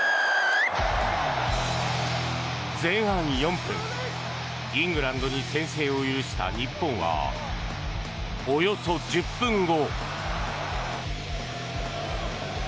前半４分イングランドに先制を許した日本はおよそ１０分後。